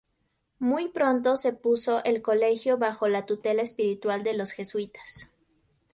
Muy pronto se puso el colegio bajo la tutela espiritual de los jesuitas.